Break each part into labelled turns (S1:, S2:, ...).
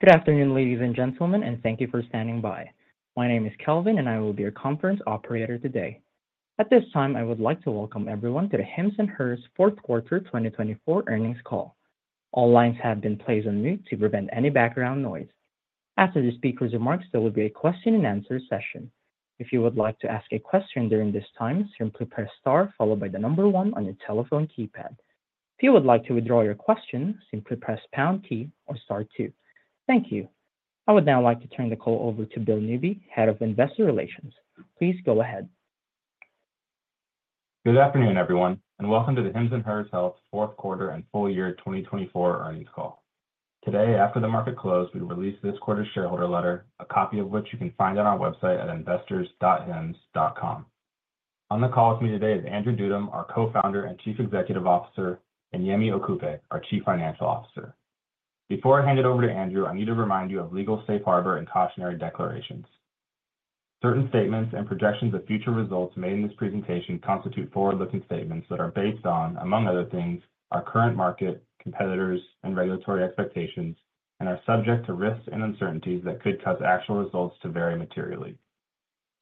S1: Good afternoon, ladies and gentlemen, and thank you for standing by. My name is Kelvin, and I will be your conference operator today. At this time, I would like to welcome everyone to the Hims & Hers 4th quarter 2024 earnings call. All lines have been placed on mute to prevent any background noise. After the speaker's remarks, there will be a question-and-answer session. If you would like to ask a question during this time, simply press star followed by the number one on your telephone keypad. If you would like to withdraw your question, simply press pound key or star two. Thank you. I would now like to turn the call over to Bill Newby, Head of Investor Relations. Please go ahead.
S2: Good afternoon, everyone, and welcome to the Hims & Hers Health 4th quarter and full year 2024 earnings call. Today, after the market closed, we released this quarter's shareholder letter, a copy of which you can find on our website at investors.hims.com. On the call with me today is Andrew Dudum, our co-founder and Chief Executive Officer, and Yemi Okupe, our Chief Financial Officer. Before I hand it over to Andrew, I need to remind you of legal safe harbor and cautionary declarations. Certain statements and projections of future results made in this presentation constitute forward-looking statements that are based on, among other things, our current market, competitors, and regulatory expectations, and are subject to risks and uncertainties that could cause actual results to vary materially.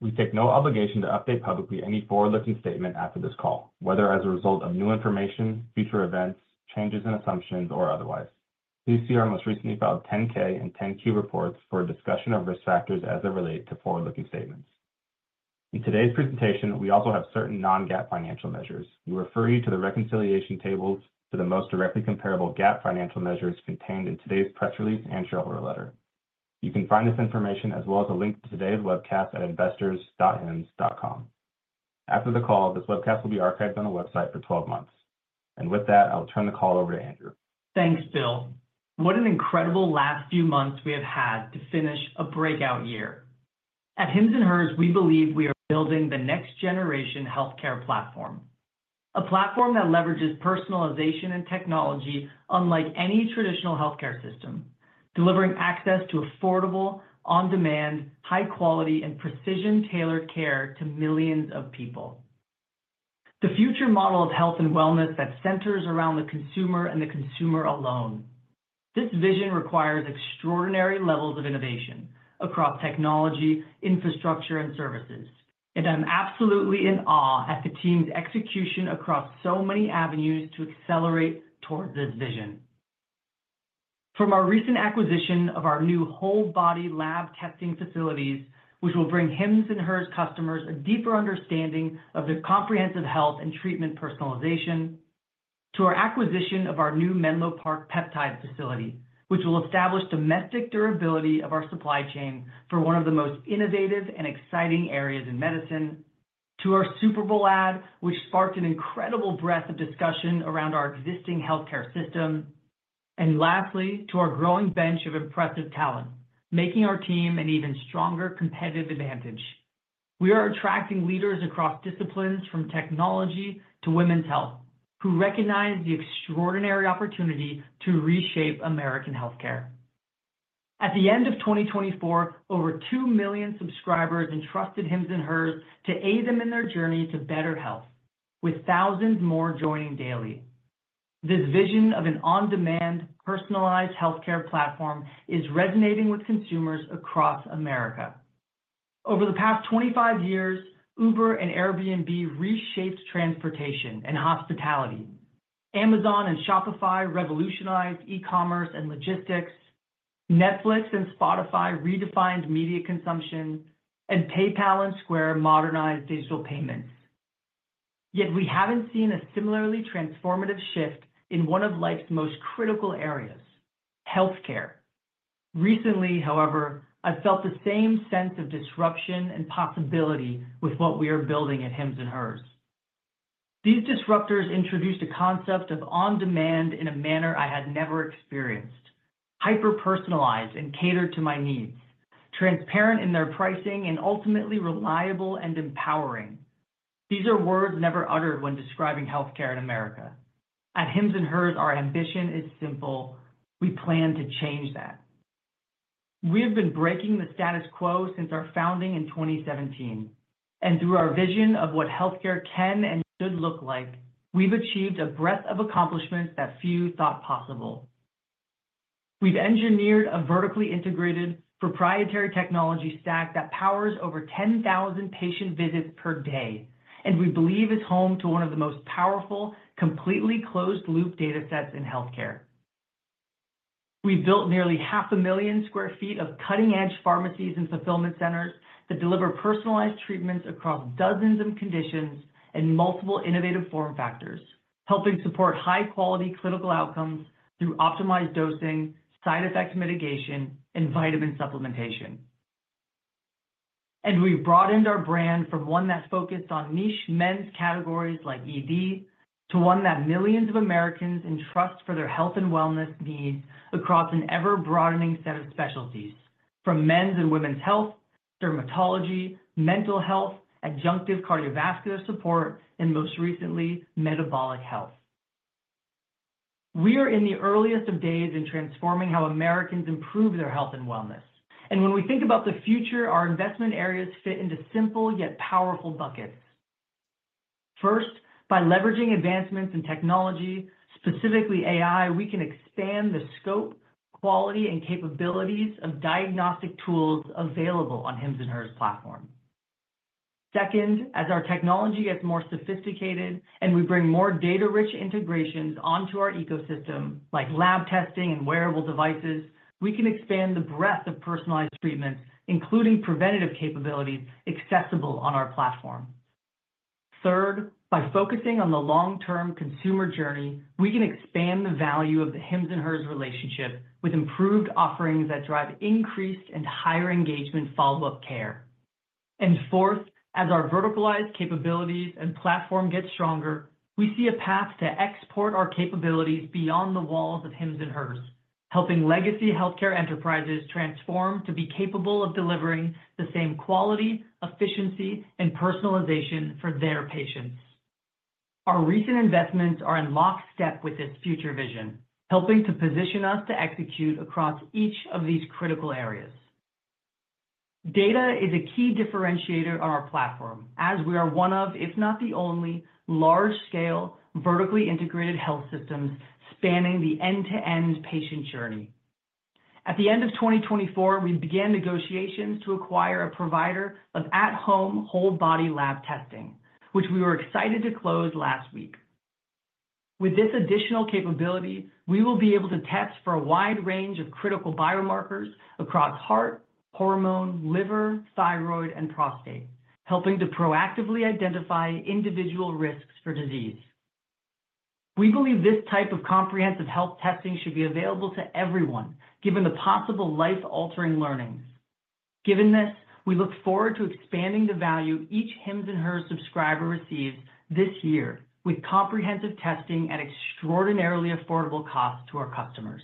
S2: We take no obligation to update publicly any forward-looking statement after this call, whether as a result of new information, future events, changes in assumptions, or otherwise. Please see our most recently filed 10-K and 10-Q reports for a discussion of risk factors as they relate to forward-looking statements. In today's presentation, we also have certain non-GAAP financial measures. We refer you to the reconciliation tables to the most directly comparable GAAP financial measures contained in today's press release and shareholder letter. You can find this information as well as a link to today's webcast at investors.hims.com. After the call, this webcast will be archived on the website for 12 months. And with that, I will turn the call over to Andrew. Thanks, Bill. What an incredible last few months we have had to finish a breakout year. At Hims & Hers, we believe we are building the next-generation healthcare platform, a platform that leverages personalization and technology unlike any traditional healthcare system, delivering access to affordable, on-demand, high-quality, and precision-tailored care to millions of people. The future model of health and wellness that centers around the consumer and the consumer alone. This vision requires extraordinary levels of innovation across technology, infrastructure, and services, and I'm absolutely in awe at the team's execution across so many avenues to accelerate towards this vision. From our recent acquisition of our new whole-body lab testing facilities, which will bring Hims & Hers customers a deeper understanding of the comprehensive health and treatment personalization, to our acquisition of our new Menlo Park peptide facility, which will establish domestic durability of our supply chain for one of the most innovative and exciting areas in medicine, to our Super Bowl ad, which sparked an incredible breadth of discussion around our existing healthcare system, and lastly, to our growing bench of impressive talent, making our team an even stronger competitive advantage. We are attracting leaders across disciplines, from technology to women's health, who recognize the extraordinary opportunity to reshape American healthcare. At the end of 2024, over two million subscribers entrusted Hims & Hers to aid them in their journey to better health, with thousands more joining daily. This vision of an on-demand, personalized healthcare platform is resonating with consumers across America. Over the past 25 years, Uber and Airbnb reshaped transportation and hospitality. Amazon and Shopify revolutionized e-commerce and logistics. Netflix and Spotify redefined media consumption. And PayPal and Square modernized digital payments. Yet we haven't seen a similarly transformative shift in one of life's most critical areas: healthcare. Recently, however, I've felt the same sense of disruption and possibility with what we are building at Hims & Hers. These disruptors introduced a concept of on-demand in a manner I had never experienced: hyper-personalized and catered to my needs, transparent in their pricing, and ultimately reliable and empowering. These are words never uttered when describing healthcare in America. At Hims & Hers, our ambition is simple: we plan to change that. We have been breaking the status quo since our founding in 2017. Through our vision of what healthcare can and should look like, we've achieved a breadth of accomplishments that few thought possible. We've engineered a vertically integrated, proprietary technology stack that powers over 10,000 patient visits per day, and we believe is home to one of the most powerful, completely closed-loop data sets in healthcare. We've built nearly 500,000 sq ft of cutting-edge pharmacies and fulfillment centers that deliver personalized treatments across dozens of conditions and multiple innovative form factors, helping support high-quality clinical outcomes through optimized dosing, side effect mitigation, and vitamin supplementation. We've broadened our brand from one that focused on niche men's categories like ED to one that millions of Americans entrust for their health and wellness needs across an ever-broadening set of specialties from men's and women's health, dermatology, mental health, adjunctive cardiovascular support, and most recently, metabolic health. We are in the earliest of days in transforming how Americans improve their health and wellness. And when we think about the future, our investment areas fit into simple yet powerful buckets. First, by leveraging advancements in technology, specifically AI, we can expand the scope, quality, and capabilities of diagnostic tools available on Hims & Hers' platform. Second, as our technology gets more sophisticated and we bring more data-rich integrations onto our ecosystem, like lab testing and wearable devices, we can expand the breadth of personalized treatments, including preventative capabilities accessible on our platform. Third, by focusing on the long-term consumer journey, we can expand the value of the Hims & Hers relationship with improved offerings that drive increased and higher engagement follow-up care. Fourth, as our verticalized capabilities and platform get stronger, we see a path to export our capabilities beyond the walls of Hims & Hers, helping legacy healthcare enterprises transform to be capable of delivering the same quality, efficiency, and personalization for their patients. Our recent investments are in lock step with this future vision, helping to position us to execute across each of these critical areas. Data is a key differentiator on our platform, as we are one of, if not the only, large-scale, vertically integrated health systems spanning the end-to-end patient journey. At the end of 2024, we began negotiations to acquire a provider of at-home whole-body lab testing, which we were excited to close last week. With this additional capability, we will be able to test for a wide range of critical biomarkers across heart, hormone, liver, thyroid, and prostate, helping to proactively identify individual risks for disease. We believe this type of comprehensive health testing should be available to everyone, given the possible life-altering learnings. Given this, we look forward to expanding the value each Hims & Hers subscriber receives this year with comprehensive testing at extraordinarily affordable costs to our customers.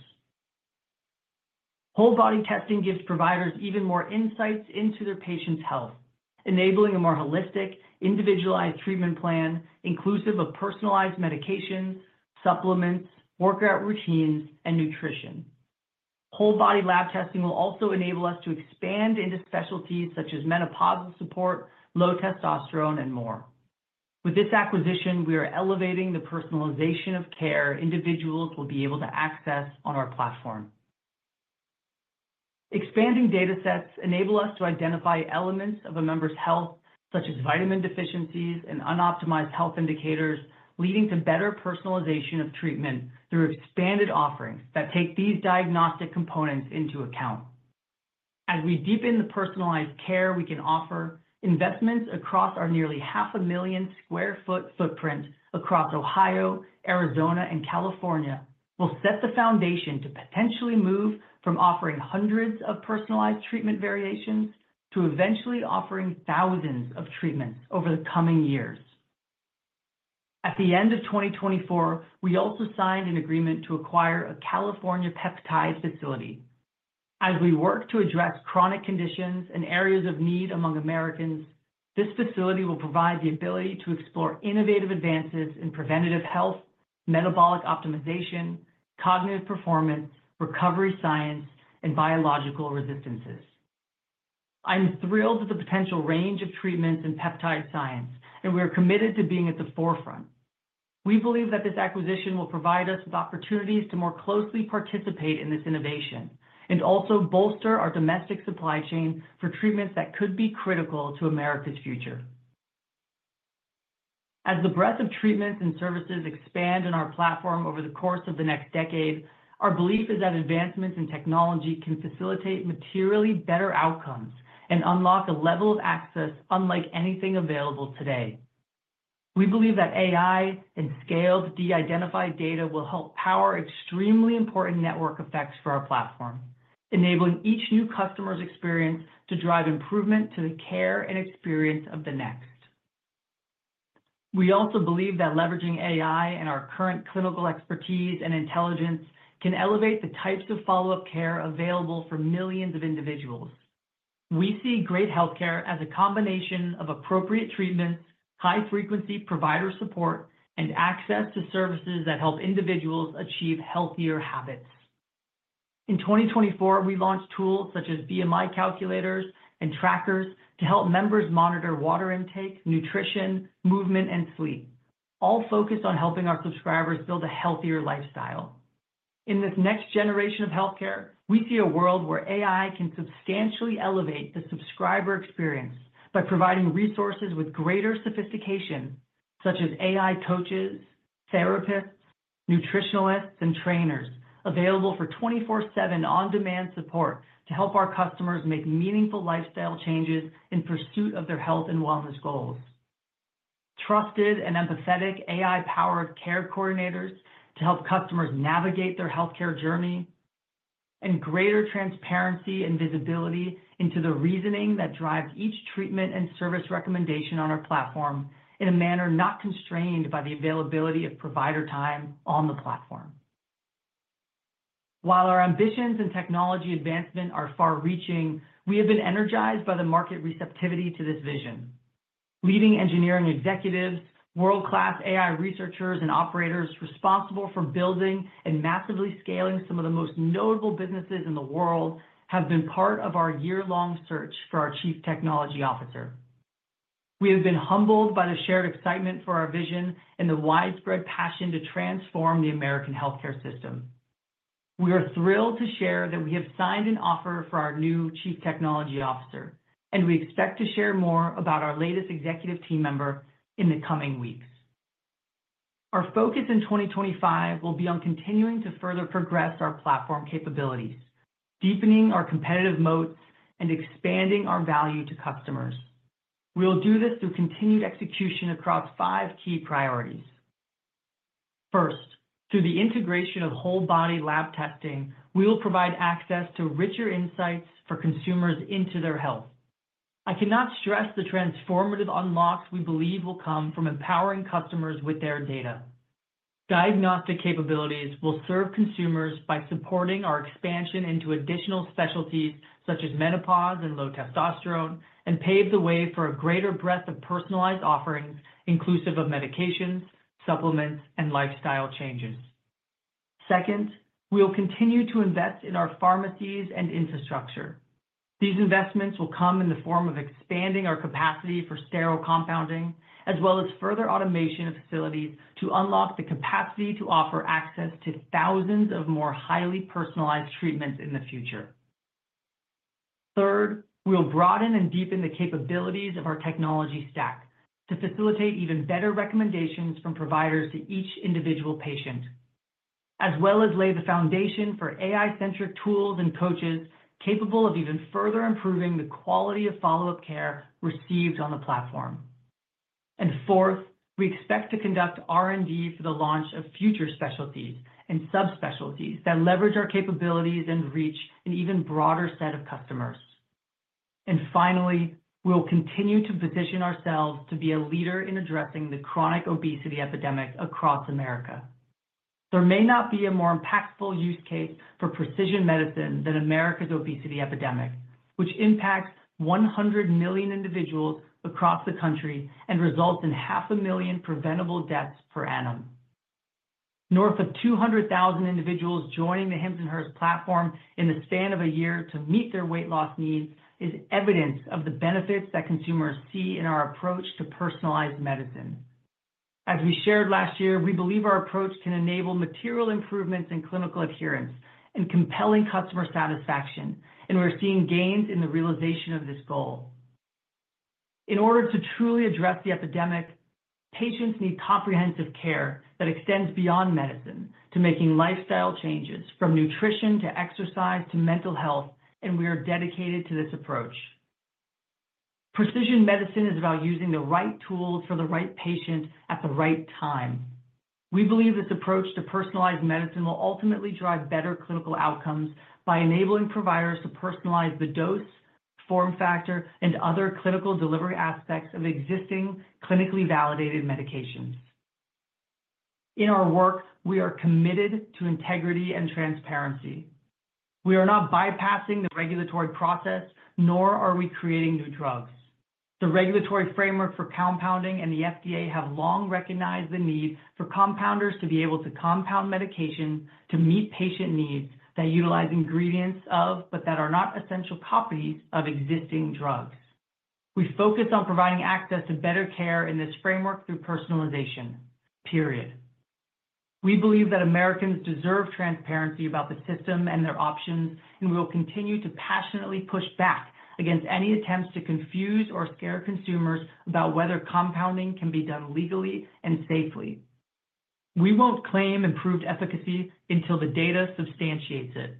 S2: Whole-body testing gives providers even more insights into their patients' health, enabling a more holistic, individualized treatment plan inclusive of personalized medications, supplements, workout routines, and nutrition. Whole-body lab testing will also enable us to expand into specialties such as menopausal support, low testosterone, and more. With this acquisition, we are elevating the personalization of care individuals will be able to access on our platform. Expanding data sets enable us to identify elements of a member's health, such as vitamin deficiencies and unoptimized health indicators, leading to better personalization of treatment through expanded offerings that take these diagnostic components into account. As we deepen the personalized care we can offer, investments across our nearly 500,000 sq ft footprint across Ohio, Arizona, and California will set the foundation to potentially move from offering hundreds of personalized treatment variations to eventually offering thousands of treatments over the coming years. At the end of 2024, we also signed an agreement to acquire a California peptide facility. As we work to address chronic conditions and areas of need among Americans, this facility will provide the ability to explore innovative advances in preventative health, metabolic optimization, cognitive performance, recovery science, and biological resistances. I'm thrilled with the potential range of treatments and peptide science, and we are committed to being at the forefront. We believe that this acquisition will provide us with opportunities to more closely participate in this innovation and also bolster our domestic supply chain for treatments that could be critical to America's future. As the breadth of treatments and services expand on our platform over the course of the next decade, our belief is that advancements in technology can facilitate materially better outcomes and unlock a level of access unlike anything available today. We believe that AI and scaled de-identified data will help power extremely important network effects for our platform, enabling each new customer's experience to drive improvement to the care and experience of the next. We also believe that leveraging AI and our current clinical expertise and intelligence can elevate the types of follow-up care available for millions of individuals. We see great healthcare as a combination of appropriate treatments, high-frequency provider support, and access to services that help individuals achieve healthier habits. In 2024, we launched tools such as BMI calculators and trackers to help members monitor water intake, nutrition, movement, and sleep, all focused on helping our subscribers build a healthier lifestyle. In this next generation of healthcare, we see a world where AI can substantially elevate the subscriber experience by providing resources with greater sophistication, such as AI coaches, therapists, nutritionists, and trainers available for 24/7 on-demand support to help our customers make meaningful lifestyle changes in pursuit of their health and wellness goals. Trusted and empathetic AI-powered care coordinators to help customers navigate their healthcare journey, and greater transparency and visibility into the reasoning that drives each treatment and service recommendation on our platform in a manner not constrained by the availability of provider time on the platform. While our ambitions and technology advancement are far-reaching, we have been energized by the market receptivity to this vision. Leading engineering executives, world-class AI researchers, and operators responsible for building and massively scaling some of the most notable businesses in the world have been part of our year-long search for our Chief Technology Officer. We have been humbled by the shared excitement for our vision and the widespread passion to transform the American healthcare system. We are thrilled to share that we have signed an offer for our new Chief Technology Officer, and we expect to share more about our latest executive team member in the coming weeks. Our focus in 2025 will be on continuing to further progress our platform capabilities, deepening our competitive moats, and expanding our value to customers. We'll do this through continued execution across five key priorities. First, through the integration of whole-body lab testing, we will provide access to richer insights for consumers into their health. I cannot stress the transformative unlocks we believe will come from empowering customers with their data. Diagnostic capabilities will serve consumers by supporting our expansion into additional specialties such as menopause and low testosterone and pave the way for a greater breadth of personalized offerings inclusive of medications, supplements, and lifestyle changes. Second, we'll continue to invest in our pharmacies and infrastructure. These investments will come in the form of expanding our capacity for sterile compounding, as well as further automation of facilities to unlock the capacity to offer access to thousands of more highly personalized treatments in the future. Third, we'll broaden and deepen the capabilities of our technology stack to facilitate even better recommendations from providers to each individual patient, as well as lay the foundation for AI-centric tools and coaches capable of even further improving the quality of follow-up care received on the platform. And fourth, we expect to conduct R&D for the launch of future specialties and subspecialties that leverage our capabilities and reach an even broader set of customers. And finally, we'll continue to position ourselves to be a leader in addressing the chronic obesity epidemic across America. There may not be a more impactful use case for precision medicine than America's obesity epidemic, which impacts 100 million individuals across the country and results in 500,000 preventable deaths per annum. North of 200,000 individuals joining the Hims & Hers platform in the span of a year to meet their weight loss needs is evidence of the benefits that consumers see in our approach to personalized medicine. As we shared last year, we believe our approach can enable material improvements in clinical adherence and compelling customer satisfaction, and we're seeing gains in the realization of this goal. In order to truly address the epidemic, patients need comprehensive care that extends beyond medicine to making lifestyle changes from nutrition to exercise to mental health, and we are dedicated to this approach. Precision medicine is about using the right tools for the right patient at the right time. We believe this approach to personalized medicine will ultimately drive better clinical outcomes by enabling providers to personalize the dose, form factor, and other clinical delivery aspects of existing clinically validated medications. In our work, we are committed to integrity and transparency. We are not bypassing the regulatory process, nor are we creating new drugs. The regulatory framework for compounding and the FDA have long recognized the need for compounders to be able to compound medication to meet patient needs that utilize ingredients of, but that are not exact copies of existing drugs. We focus on providing access to better care in this framework through personalization. Period. We believe that Americans deserve transparency about the system and their options, and we will continue to passionately push back against any attempts to confuse or scare consumers about whether compounding can be done legally and safely. We won't claim improved efficacy until the data substantiates it.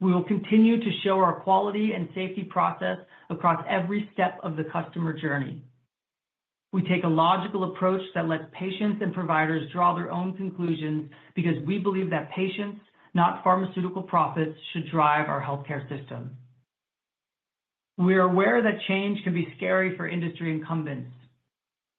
S2: We will continue to show our quality and safety process across every step of the customer journey. We take a logical approach that lets patients and providers draw their own conclusions because we believe that patients, not pharmaceutical profits, should drive our healthcare system. We are aware that change can be scary for industry incumbents.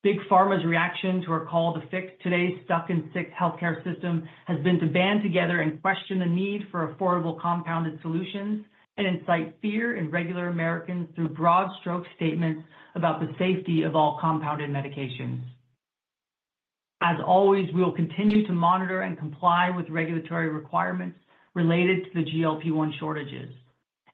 S2: Big Pharma's reaction to our call to fix today's stuck-and-sick healthcare system has been to band together and question the need for affordable compounded solutions and incite fear in regular Americans through broad stroke statements about the safety of all compounded medications. As always, we will continue to monitor and comply with regulatory requirements related to the GLP-1 shortages,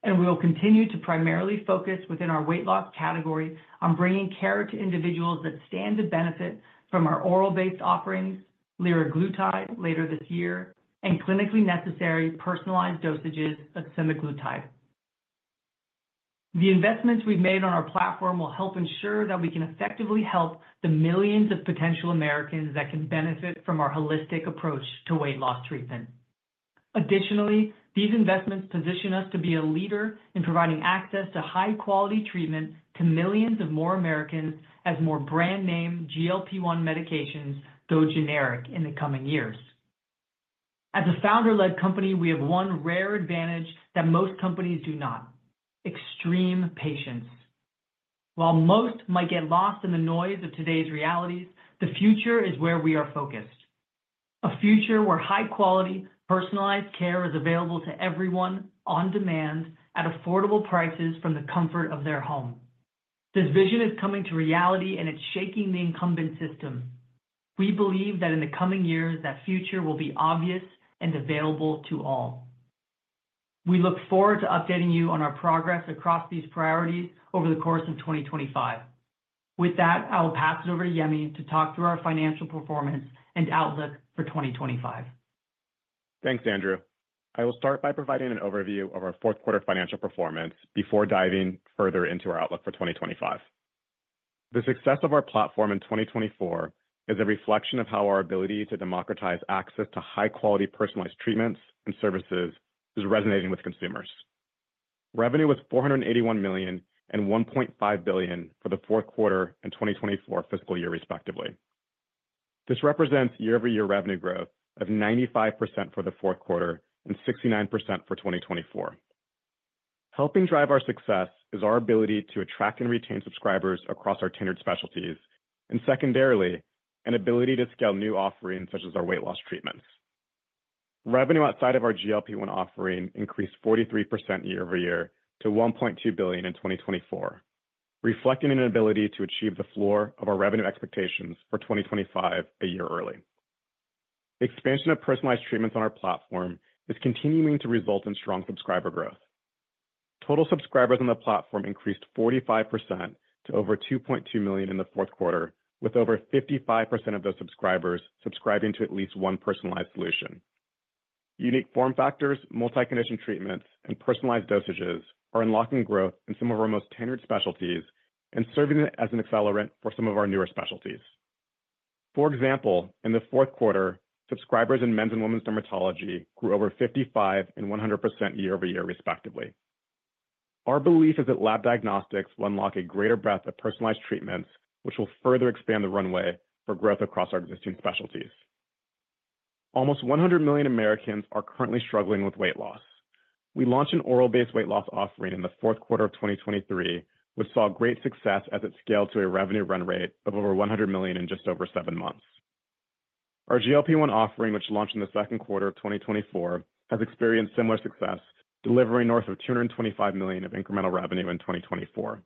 S2: and we will continue to primarily focus within our weight loss category on bringing care to individuals that stand to benefit from our oral-based offerings, liraglutide later this year, and clinically necessary personalized dosages of semaglutide. The investments we've made on our platform will help ensure that we can effectively help the millions of potential Americans that can benefit from our holistic approach to weight loss treatment. Additionally, these investments position us to be a leader in providing access to high-quality treatment to millions of more Americans as more brand-name GLP-1 medications go generic in the coming years. As a founder-led company, we have one rare advantage that most companies do not: extreme patience. While most might get lost in the noise of today's realities, the future is where we are focused. A future where high-quality, personalized care is available to everyone on demand at affordable prices from the comfort of their home. This vision is coming to reality, and it's shaking the incumbent system. We believe that in the coming years, that future will be obvious and available to all. We look forward to updating you on our progress across these priorities over the course of 2025. With that, I will pass it over to Yemi to talk through our financial performance and outlook for 2025.
S3: Thanks, Andrew. I will start by providing an overview of our fourth quarter financial performance before diving further into our outlook for 2025. The success of our platform in 2024 is a reflection of how our ability to democratize access to high-quality personalized treatments and services is resonating with consumers. Revenue was $481 million and $1.5 billion for the fourth quarter and 2024 fiscal year, respectively. This represents year-over-year revenue growth of 95% for the fourth quarter and 69% for 2024. Helping drive our success is our ability to attract and retain subscribers across our tenured specialties and, secondarily, an ability to scale new offerings such as our weight loss treatments. Revenue outside of our GLP-1 offering increased 43% year-over-year to $1.2 billion in 2024, reflecting an ability to achieve the floor of our revenue expectations for 2025 a year early. Expansion of personalized treatments on our platform is continuing to result in strong subscriber growth. Total subscribers on the platform increased 45% to over 2.2 million in the fourth quarter, with over 55% of those subscribers subscribing to at least one personalized solution. Unique form factors, multi-condition treatments, and personalized dosages are unlocking growth in some of our most tenured specialties and serving as an accelerant for some of our newer specialties. For example, in the fourth quarter, subscribers in men's and women's dermatology grew over 55% and 100% year-over-year, respectively. Our belief is that lab diagnostics will unlock a greater breadth of personalized treatments, which will further expand the runway for growth across our existing specialties. Almost 100 million Americans are currently struggling with weight loss. We launched an oral-based weight loss offering in the fourth quarter of 2023, which saw great success as it scaled to a revenue run rate of over $100 million in just over seven months. Our GLP-1 offering, which launched in the second quarter of 2024, has experienced similar success, delivering north of $225 million of incremental revenue in 2024.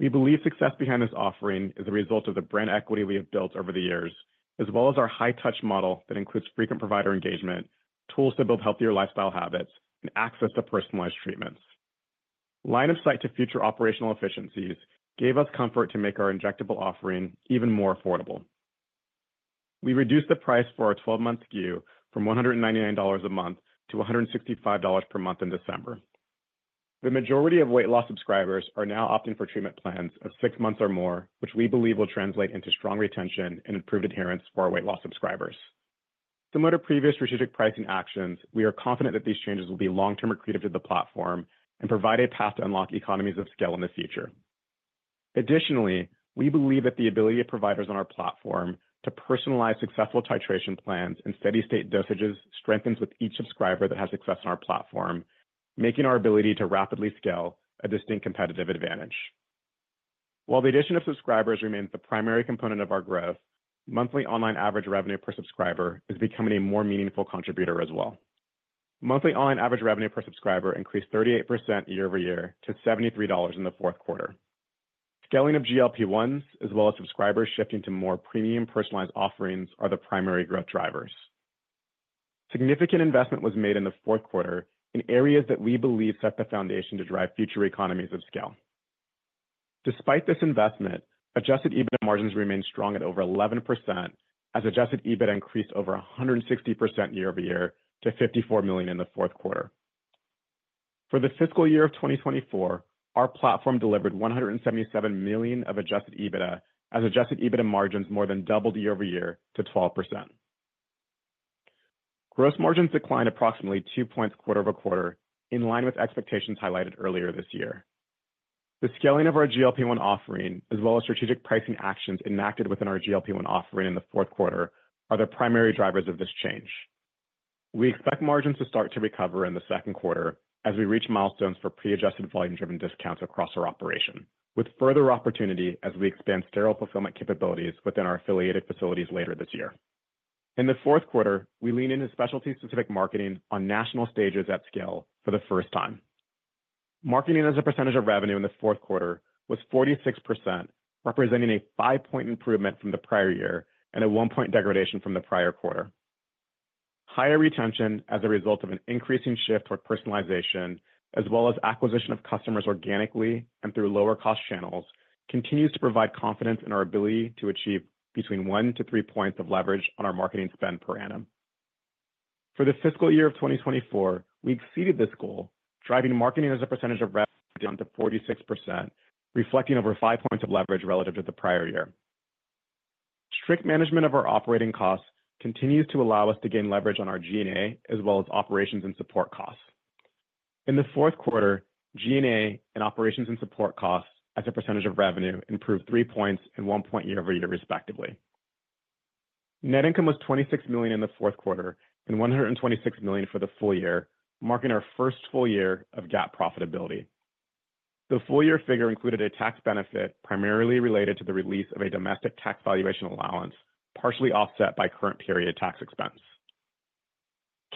S3: We believe success behind this offering is a result of the brand equity we have built over the years, as well as our high-touch model that includes frequent provider engagement, tools to build healthier lifestyle habits, and access to personalized treatments. Line of sight to future operational efficiencies gave us comfort to make our injectable offering even more affordable. We reduced the price for our 12-month SKU from $199 a month to $165 per month in December. The majority of weight loss subscribers are now opting for treatment plans of six months or more, which we believe will translate into strong retention and improved adherence for our weight loss subscribers. Similar to previous strategic pricing actions, we are confident that these changes will be long-term accretive to the platform and provide a path to unlock economies of scale in the future. Additionally, we believe that the ability of providers on our platform to personalize successful titration plans and steady-state dosages strengthens with each subscriber that has success on our platform, making our ability to rapidly scale a distinct competitive advantage. While the addition of subscribers remains the primary component of our growth, monthly online average revenue per subscriber is becoming a more meaningful contributor as well. Monthly online average revenue per subscriber increased 38% year-over-year to $73 in the fourth quarter. Scaling of GLP-1s, as well as subscribers shifting to more premium personalized offerings, are the primary growth drivers. Significant investment was made in the fourth quarter in areas that we believe set the foundation to drive future economies of scale. Despite this investment, Adjusted EBITDA margins remained strong at over 11%, as Adjusted EBITDA increased over 160% year-over-year to $54 million in the fourth quarter. For the fiscal year of 2024, our platform delivered $177 million of Adjusted EBITDA, as Adjusted EBITDA margins more than doubled year-over-year to 12%. Gross margins declined approximately two points quarter over quarter, in line with expectations highlighted earlier this year. The scaling of our GLP-1 offering, as well as strategic pricing actions enacted within our GLP-1 offering in the fourth quarter, are the primary drivers of this change. We expect margins to start to recover in the second quarter as we reach milestones for pre-adjusted volume-driven discounts across our operation, with further opportunity as we expand sterile fulfillment capabilities within our affiliated facilities later this year. In the fourth quarter, we lean into specialty-specific marketing on national stages at scale for the first time. Marketing as a percentage of revenue in the fourth quarter was 46%, representing a five-point improvement from the prior year and a one-point degradation from the prior quarter. Higher retention as a result of an increasing shift toward personalization, as well as acquisition of customers organically and through lower-cost channels, continues to provide confidence in our ability to achieve between one to three points of leverage on our marketing spend per annum. For the fiscal year of 2024, we exceeded this goal, driving marketing as a percentage of revenue down to 46%, reflecting over five points of leverage relative to the prior year. Strict management of our operating costs continues to allow us to gain leverage on our G&A as well as operations and support costs. In the fourth quarter, G&A and operations and support costs as a percentage of revenue improved three points and one point year-over-year, respectively. Net income was $26 million in the fourth quarter and $126 million for the full year, marking our first full year of GAAP profitability. The full year figure included a tax benefit primarily related to the release of a domestic tax valuation allowance, partially offset by current period tax expense.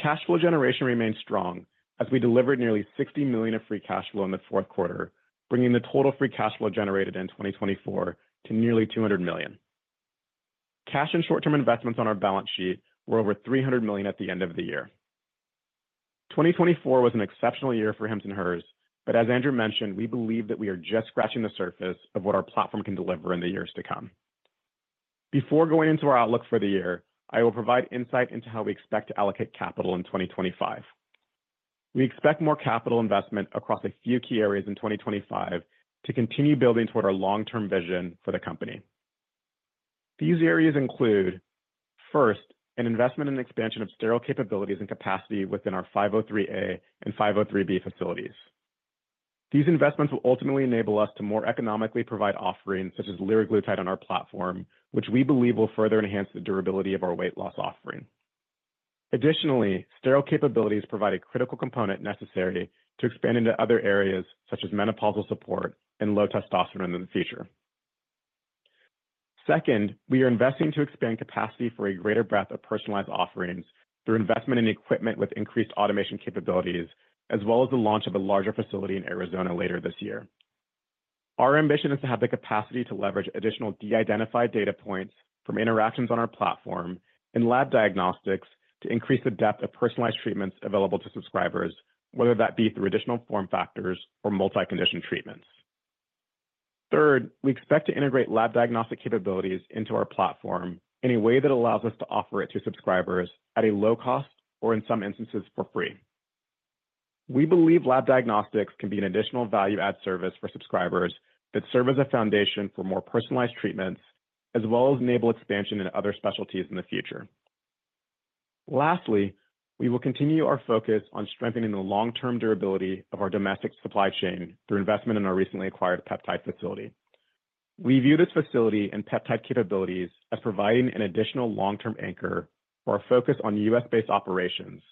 S3: Cash flow generation remained strong as we delivered nearly $60 million of free cash flow in the fourth quarter, bringing the total free cash flow generated in 2024 to nearly $200 million. Cash and short-term investments on our balance sheet were over $300 million at the end of the year. 2024 was an exceptional year for Hims & Hers, but as Andrew mentioned, we believe that we are just scratching the surface of what our platform can deliver in the years to come. Before going into our outlook for the year, I will provide insight into how we expect to allocate capital in 2025. We expect more capital investment across a few key areas in 2025 to continue building toward our long-term vision for the company. These areas include, first, an investment in the expansion of sterile capabilities and capacity within our 503A and 503B facilities. These investments will ultimately enable us to more economically provide offerings such as liraglutide on our platform, which we believe will further enhance the durability of our weight loss offering. Additionally, sterile capabilities provide a critical component necessary to expand into other areas such as menopausal support and low testosterone in the future. Second, we are investing to expand capacity for a greater breadth of personalized offerings through investment in equipment with increased automation capabilities, as well as the launch of a larger facility in Arizona later this year. Our ambition is to have the capacity to leverage additional de-identified data points from interactions on our platform in lab diagnostics to increase the depth of personalized treatments available to subscribers, whether that be through additional form factors or multi-condition treatments. Third, we expect to integrate lab diagnostic capabilities into our platform in a way that allows us to offer it to subscribers at a low cost or, in some instances, for free. We believe lab diagnostics can be an additional value-add service for subscribers that serve as a foundation for more personalized treatments, as well as enable expansion in other specialties in the future. Lastly, we will continue our focus on strengthening the long-term durability of our domestic supply chain through investment in our recently acquired peptide facility. We view this facility and peptide capabilities as providing an additional long-term anchor for our focus on U.S.-based operations,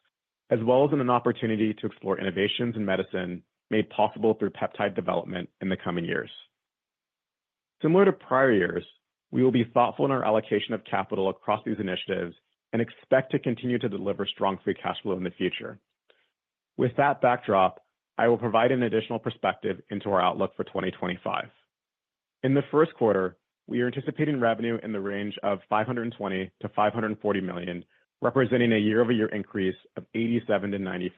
S3: as well as an opportunity to explore innovations in medicine made possible through peptide development in the coming years. Similar to prior years, we will be thoughtful in our allocation of capital across these initiatives and expect to continue to deliver strong free cash flow in the future. With that backdrop, I will provide an additional perspective into our outlook for 2025. In the first quarter, we are anticipating revenue in the range of $520 million-$540 million, representing a year-over-year increase of 87%-94%.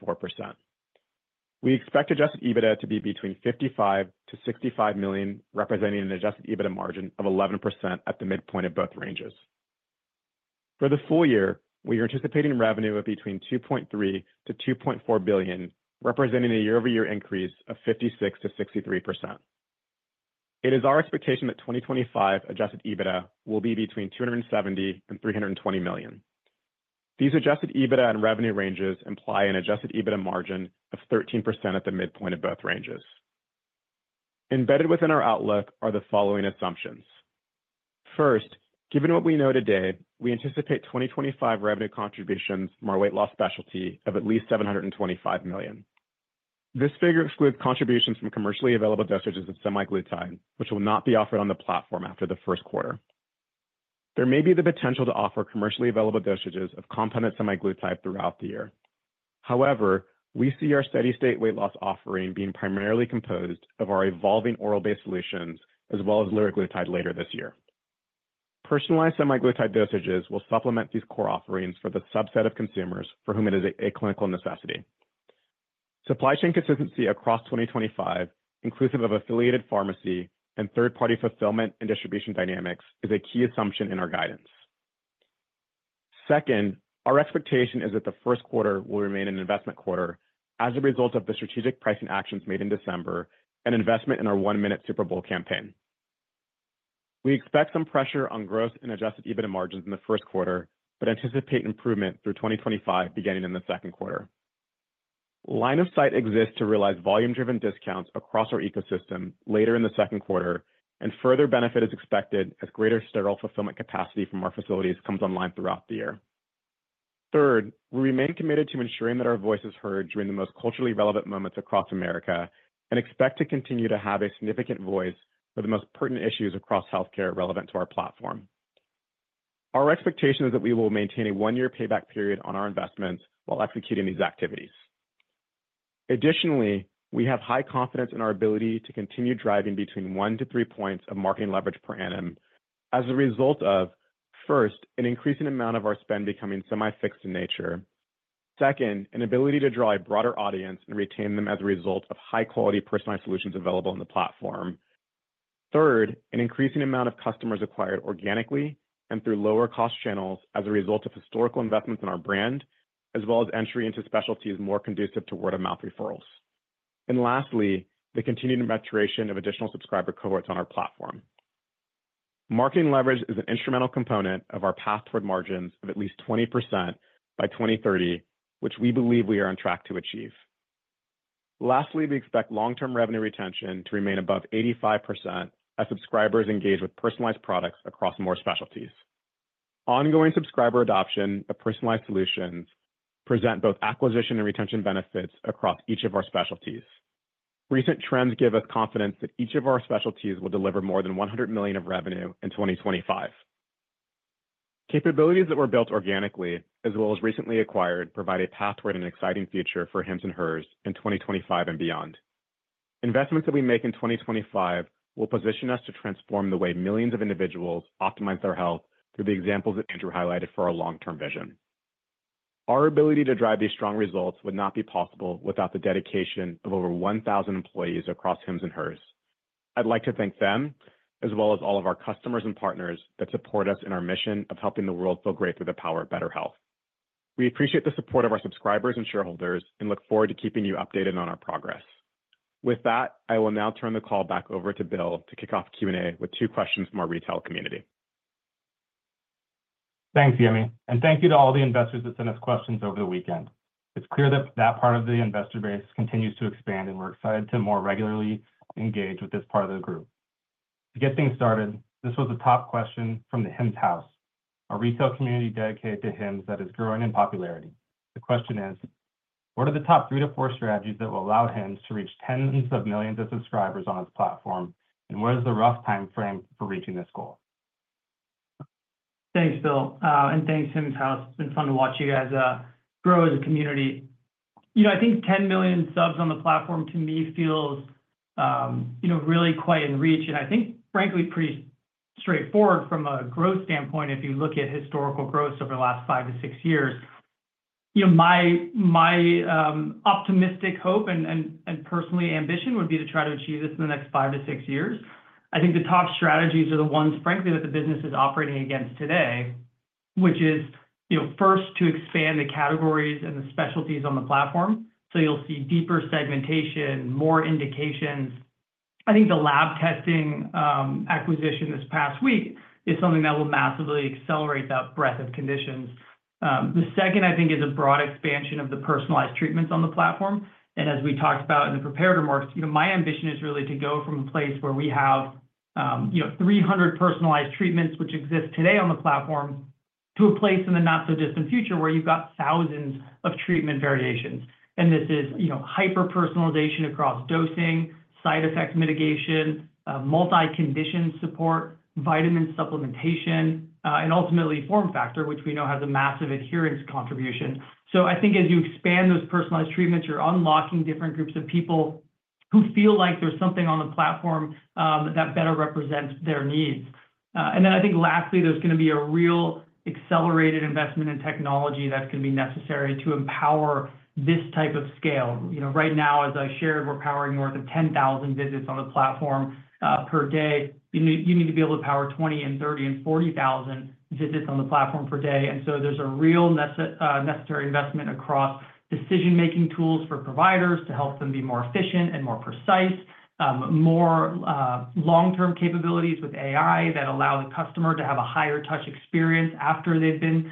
S3: We expect adjusted EBITDA to be between $55 million-$65 million, representing an adjusted EBITDA margin of 11% at the midpoint of both ranges. For the full year, we are anticipating revenue of between $2.3 billion-$2.4 billion, representing a year-over-year increase of 56%-63%. It is our expectation that 2025 adjusted EBITDA will be between $270 million and $320 million. These adjusted EBITDA and revenue ranges imply an adjusted EBITDA margin of 13% at the midpoint of both ranges. Embedded within our outlook are the following assumptions. First, given what we know today, we anticipate 2025 revenue contributions from our weight loss specialty of at least $725 million. This figure excludes contributions from commercially available dosages of semaglutide, which will not be offered on the platform after the first quarter. There may be the potential to offer commercially available dosages of compounded semaglutide throughout the year. However, we see our steady-state weight loss offering being primarily composed of our evolving oral-based solutions, as well as liraglutide later this year. Personalized semaglutide dosages will supplement these core offerings for the subset of consumers for whom it is a clinical necessity. Supply chain consistency across 2025, inclusive of affiliated pharmacy and third-party fulfillment and distribution dynamics, is a key assumption in our guidance. Second, our expectation is that the first quarter will remain an investment quarter as a result of the strategic pricing actions made in December and investment in our One Minute Super Bowl campaign. We expect some pressure on gross and Adjusted EBITDA margins in the first quarter, but anticipate improvement through 2025 beginning in the second quarter. Line of sight exists to realize volume-driven discounts across our ecosystem later in the second quarter, and further benefit is expected as greater sterile fulfillment capacity from our facilities comes online throughout the year. Third, we remain committed to ensuring that our voice is heard during the most culturally relevant moments across America and expect to continue to have a significant voice for the most pertinent issues across healthcare relevant to our platform. Our expectation is that we will maintain a one-year payback period on our investments while executing these activities. Additionally, we have high confidence in our ability to continue driving between one to three points of marketing leverage per annum as a result of, first, an increasing amount of our spend becoming semi-fixed in nature. Second, an ability to draw a broader audience and retain them as a result of high-quality personalized solutions available on the platform. Third, an increasing amount of customers acquired organically and through lower-cost channels as a result of historical investments in our brand, as well as entry into specialties more conducive to word-of-mouth referrals. And lastly, the continued maturation of additional subscriber cohorts on our platform. Marketing leverage is an instrumental component of our path toward margins of at least 20% by 2030, which we believe we are on track to achieve. Lastly, we expect long-term revenue retention to remain above 85% as subscribers engage with personalized products across more specialties. Ongoing subscriber adoption of personalized solutions presents both acquisition and retention benefits across each of our specialties. Recent trends give us confidence that each of our specialties will deliver more than $100 million of revenue in 2025. Capabilities that were built organically, as well as recently acquired, provide a path toward an exciting future for Hims & Hers in 2025 and beyond. Investments that we make in 2025 will position us to transform the way millions of individuals optimize their health through the examples that Andrew highlighted for our long-term vision. Our ability to drive these strong results would not be possible without the dedication of over 1,000 employees across Hims & Hers. I'd like to thank them, as well as all of our customers and partners that support us in our mission of helping the world feel great through the power of better health. We appreciate the support of our subscribers and shareholders and look forward to keeping you updated on our progress. With that, I will now turn the call back over to Bill to kick off Q&A with two questions from our retail community.
S2: Thanks, Yemi. And thank you to all the investors that sent us questions over the weekend. It's clear that that part of the investor base continues to expand, and we're excited to more regularly engage with this part of the group. To get things started, this was a top question from the Hims House, a retail community dedicated to Hims that is growing in popularity. The question is, what are the top three to four strategies that will allow Hims to reach tens of millions of subscribers on its platform, and what is the rough timeframe for reaching this goal?
S4: Thanks, Bill. And thanks, Hims House. It's been fun to watch you guys grow as a community. You know, I think 10 million subs on the platform to me feels, you know, really quite in reach, and I think, frankly, pretty straightforward from a growth standpoint if you look at historical growth over the last five to six years. You know, my optimistic hope and personal ambition would be to try to achieve this in the next five to six years. I think the top strategies are the ones, frankly, that the business is operating against today, which is, you know, first, to expand the categories and the specialties on the platform so you'll see deeper segmentation, more indications. I think the lab testing acquisition this past week is something that will massively accelerate that breadth of conditions. The second, I think, is a broad expansion of the personalized treatments on the platform. As we talked about in the preparatory remarks, you know, my ambition is really to go from a place where we have, you know, 300 personalized treatments which exist today on the platform to a place in the not-so-distant future where you've got thousands of treatment variations. And this is, you know, hyper-personalization across dosing, side effect mitigation, multi-condition support, vitamin supplementation, and ultimately form factor, which we know has a massive adherence contribution. So I think as you expand those personalized treatments, you're unlocking different groups of people who feel like there's something on the platform that better represents their needs. And then I think lastly, there's going to be a real accelerated investment in technology that's going to be necessary to empower this type of scale. You know, right now, as I shared, we're powering north of 10,000 visits on the platform per day. You need to be able to power 20, and 30, and 40,000 visits on the platform per day. And so there's a real necessary investment across decision-making tools for providers to help them be more efficient and more precise, more long-term capabilities with AI that allow the customer to have a higher-touch experience after they've been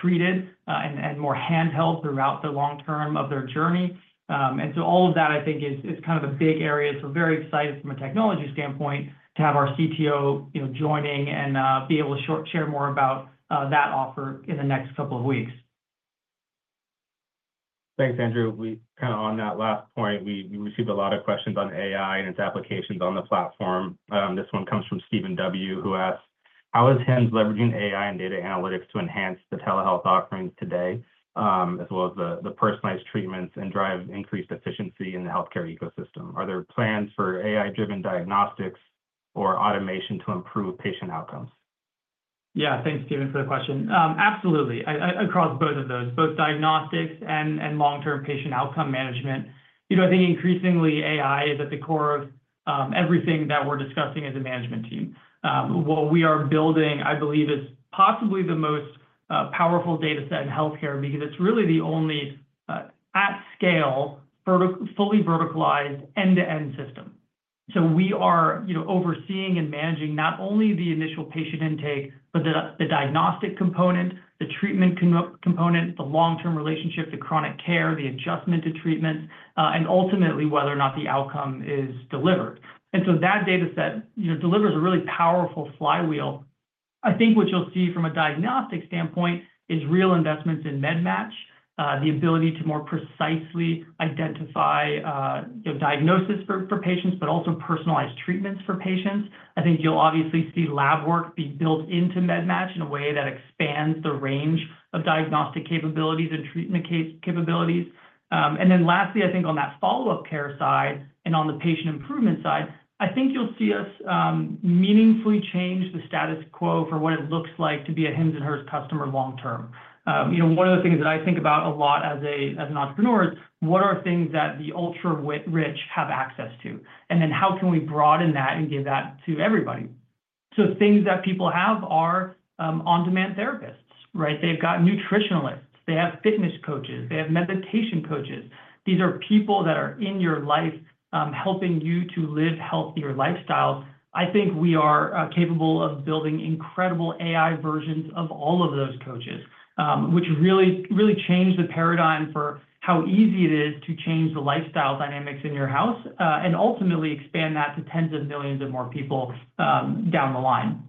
S4: treated and more handheld throughout the long term of their journey. And so all of that, I think, is kind of a big area. So very excited from a technology standpoint to have our CTO, you know, joining and be able to share more about that offer in the next couple of weeks.
S2: Thanks, Andrew. We're kind of on that last point; we received a lot of questions on AI and its applications on the platform. This one comes from Steven W., who asked, how is Hims leveraging AI and data analytics to enhance the telehealth offerings today, as well as the personalized treatments and drive increased efficiency in the healthcare ecosystem? Are there plans for AI-driven diagnostics or automation to improve patient outcomes?
S4: Yeah, thanks, Steven, for the question. Absolutely. Across both of those, both diagnostics and long-term patient outcome management, you know, I think increasingly AI is at the core of everything that we're discussing as a management team. What we are building, I believe, is possibly the most powerful data set in healthcare because it's really the only at-scale, fully verticalized end-to-end system. So we are, you know, overseeing and managing not only the initial patient intake, but the diagnostic component, the treatment component, the long-term relationship, the chronic care, the adjustment to treatments, and ultimately whether or not the outcome is delivered. And so that data set, you know, delivers a really powerful flywheel. I think what you'll see from a diagnostic standpoint is real investments in MedMatch, the ability to more precisely identify, you know, diagnosis for patients, but also personalized treatments for patients. I think you'll obviously see lab work be built into MedMatch in a way that expands the range of diagnostic capabilities and treatment capabilities. And then lastly, I think on that follow-up care side and on the patient improvement side, I think you'll see us meaningfully change the status quo for what it looks like to be a Hims & Hers customer long-term. You know, one of the things that I think about a lot as an entrepreneur is what are things that the ultra-rich have access to, and then how can we broaden that and give that to everybody? So things that people have are on-demand therapists, right? They've got nutritionists, they have fitness coaches, they have meditation coaches. These are people that are in your life helping you to live healthier lifestyles. I think we are capable of building incredible AI versions of all of those coaches, which really, really changed the paradigm for how easy it is to change the lifestyle dynamics in your house and ultimately expand that to tens of millions of more people down the line.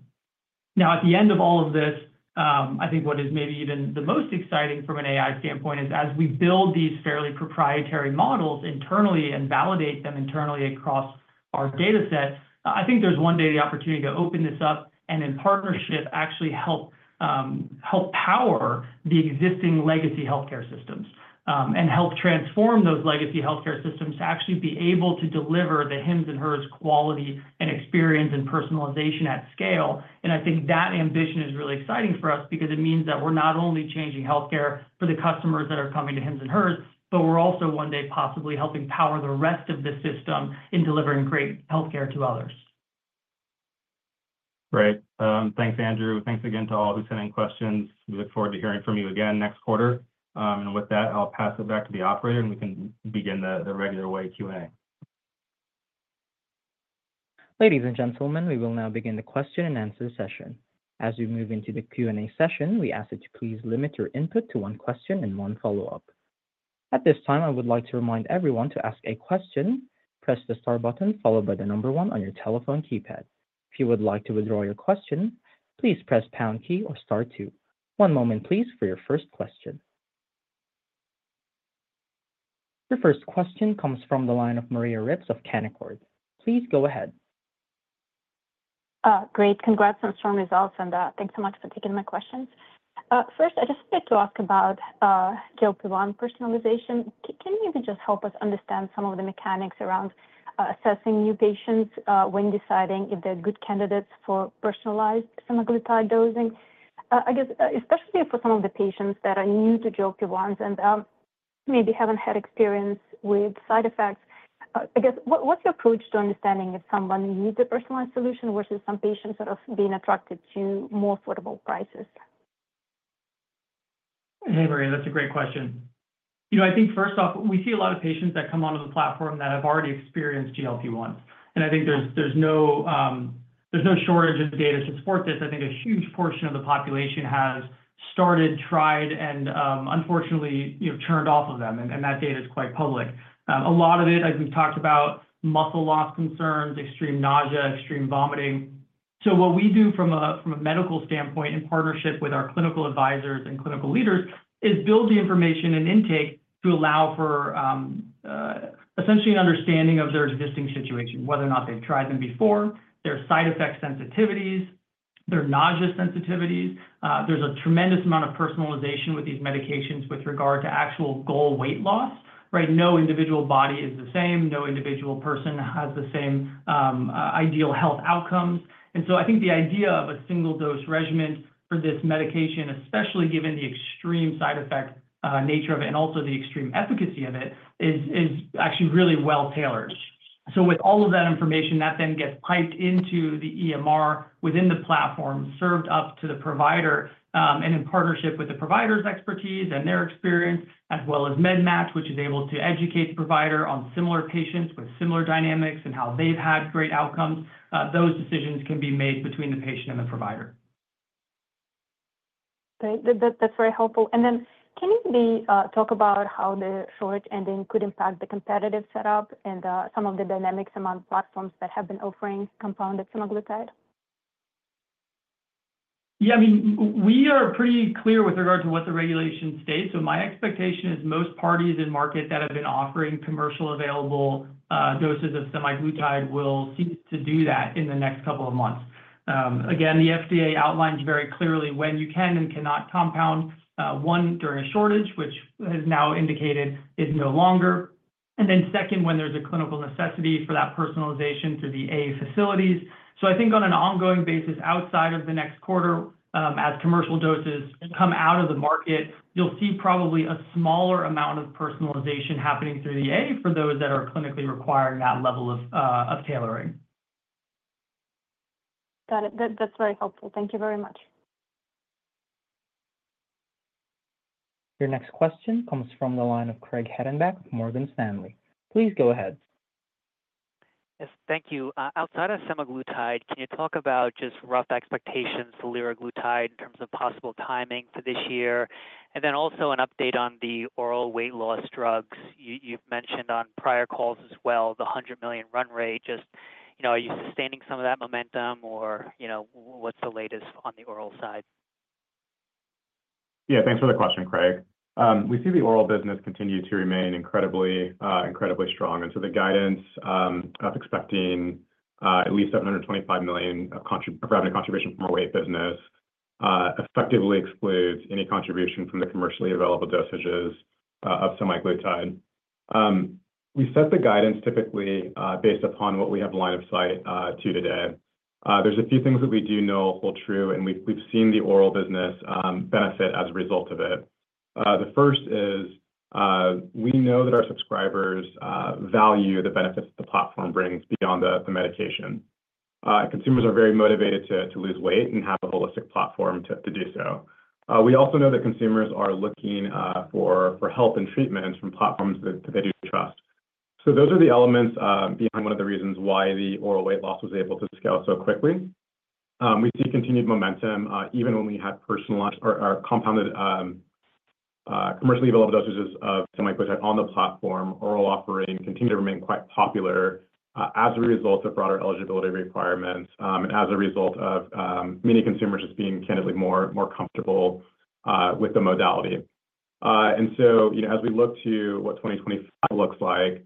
S4: Now, at the end of all of this, I think what is maybe even the most exciting from an AI standpoint is as we build these fairly proprietary models internally and validate them internally across our data set, I think there's one day the opportunity to open this up and in partnership actually help power the existing legacy healthcare systems and help transform those legacy healthcare systems to actually be able to deliver the Hims & Hers quality and experience and personalization at scale. And I think that ambition is really exciting for us because it means that we're not only changing healthcare for the customers that are coming to Hims & Hers, but we're also one day possibly helping power the rest of the system in delivering great healthcare to others.
S2: Great. Thanks, Andrew. Thanks again to all who sent in questions. We look forward to hearing from you again next quarter. And with that, I'll pass it back to the operator, and we can begin the regular Q&A.
S1: Ladies and gentlemen, we will now begin the question and answer session. As we move into the Q&A session, we ask that you please limit your input to one question and one follow-up. At this time, I would like to remind everyone to ask a question, press the star button followed by the number one on your telephone keypad. If you would like to withdraw your question, please press pound key or star two. One moment, please, for your first question. Your first question comes from the line of Maria Ripps of Canaccord Genuity. Please go ahead.
S5: Great. Congrats on strong results. And thanks so much for taking my questions. First, I just wanted to ask about GLP-1 personalization. Can you maybe just help us understand some of the mechanics around assessing new patients when deciding if they're good candidates for personalized semaglutide dosing? I guess especially for some of the patients that are new to GLP-1s and maybe haven't had experience with side effects. I guess what's your approach to understanding if someone needs a personalized solution versus some patients sort of being attracted to more affordable prices?
S4: Hey, Maria, that's a great question. You know, I think first off, we see a lot of patients that come onto the platform that have already experienced GLP-1s. And I think there's no shortage of data to support this. I think a huge portion of the population has started, tried, and unfortunately, you know, turned off of them. And that data is quite public. A lot of it, as we've talked about, muscle loss concerns, extreme nausea, extreme vomiting. What we do from a medical standpoint in partnership with our clinical advisors and clinical leaders is build the information and intake to allow for essentially an understanding of their existing situation, whether or not they've tried them before, their side effect sensitivities, their nausea sensitivities. There's a tremendous amount of personalization with these medications with regard to actual goal weight loss, right? No individual body is the same. No individual person has the same ideal health outcomes. And so I think the idea of a single-dose regimen for this medication, especially given the extreme side effect nature of it and also the extreme efficacy of it, is actually really well tailored. So with all of that information, that then gets piped into the EMR within the platform, served up to the provider, and in partnership with the provider's expertise and their experience, as well as MedMatch, which is able to educate the provider on similar patients with similar dynamics and how they've had great outcomes, those decisions can be made between the patient and the provider. Great. That's very helpful. And then can you maybe talk about how the shortage ending could impact the competitive setup and some of the dynamics among platforms that have been offering compounded semaglutide? Yeah, I mean, we are pretty clear with regard to what the regulation states. So my expectation is most parties in the market that have been offering commercially available doses of semaglutide will seek to do that in the next couple of months. Again, the FDA outlines very clearly when you can and cannot compound, one, during a shortage, which has now indicated is no longer, and then second, when there's a clinical necessity for that personalization through the 503A facilities. So I think on an ongoing basis outside of the next quarter, as commercial doses come out of the market, you'll see probably a smaller amount of personalization happening through the 503A for those that are clinically requiring that level of tailoring.
S5: Got it. That's very helpful. Thank you very much.
S1: Your next question comes from the line of Craig Hettenbach of Morgan Stanley. Please go ahead.
S6: Yes, thank you. Outside of semaglutide, can you talk about just rough expectations for liraglutide in terms of possible timing for this year? And then also an update on the oral weight loss drugs you've mentioned on prior calls as well, the $100 million run rate. Just, you know, are you sustaining some of that momentum or, you know, what's the latest on the oral side?
S3: Yeah, thanks for the question, Craig. We see the oral business continue to remain incredibly, incredibly strong. And so the guidance of expecting at least $725 million of revenue contribution from our weight business effectively excludes any contribution from the commercially available dosages of semaglutide. We set the guidance typically based upon what we have line of sight to today. There's a few things that we do know hold true, and we've seen the oral business benefit as a result of it. The first is we know that our subscribers value the benefits that the platform brings beyond the medication. Consumers are very motivated to lose weight and have a holistic platform to do so. We also know that consumers are looking for help and treatment from platforms that they do trust. So those are the elements behind one of the reasons why the oral weight loss was able to scale so quickly. We see continued momentum even when we had personalized or compounded commercially available dosages of semaglutide on the platform. Oral offering continued to remain quite popular as a result of broader eligibility requirements and as a result of many consumers just being candidly more comfortable with the modality. And so, you know, as we look to what 2025 looks like,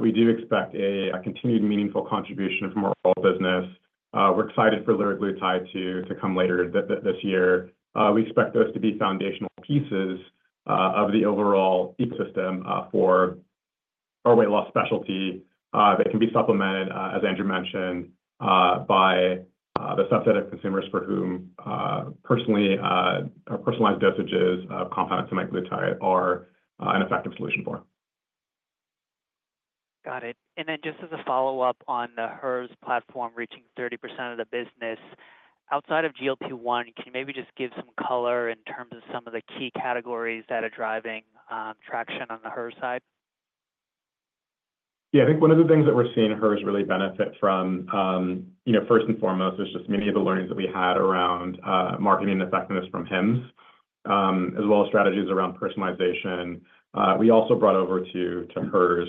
S3: we do expect a continued meaningful contribution from our oral business. We're excited for liraglutide to come later this year. We expect those to be foundational pieces of the overall ecosystem for our weight loss specialty that can be supplemented, as Andrew mentioned, by the subset of consumers for whom personally personalized dosages of compounded semaglutide are an effective solution for.
S6: Got it, and then just as a follow-up on the Hers platform reaching 30% of the business, outside of GLP-1, can you maybe just give some color in terms of some of the key categories that are driving traction on the Hers side?
S4: Yeah, I think one of the things that we're seeing Hers really benefit from, you know, first and foremost, is just many of the learnings that we had around marketing and effectiveness from Hims, as well as strategies around personalization. We also brought over to Hers.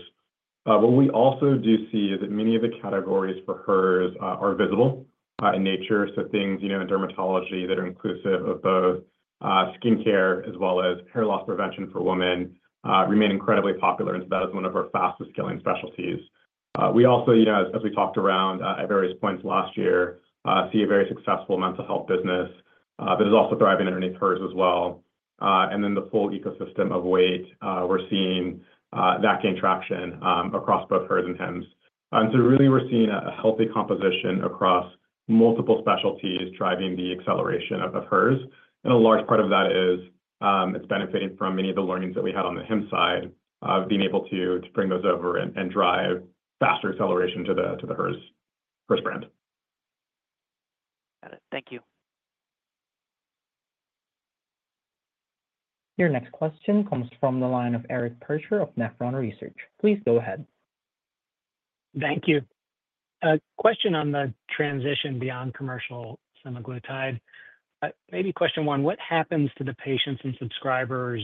S4: What we also do see is that many of the categories for Hers are visible in nature. So things, you know, in dermatology that are inclusive of both skincare as well as hair loss prevention for women remain incredibly popular. And so that is one of our fastest scaling specialties. We also, you know, as we talked around at various points last year, see a very successful mental health business that is also thriving underneath Hers as well. And then the full ecosystem of weight, we're seeing that gain traction across both Hers and Hims. And so really we're seeing a healthy composition across multiple specialties driving the acceleration of Hers. And a large part of that is it's benefiting from many of the learnings that we had on the Hims side, being able to bring those over and drive faster acceleration to the Hers brand.
S6: Got it. Thank you.
S1: Your next question comes from the line of Eric Percher of Nephron Research. Please go ahead.
S7: Thank you. Question on the transition beyond commercial semaglutide. Maybe question one, what happens to the patients and subscribers